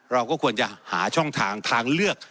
เราก็ควรจะหาช่องทางทางเลือก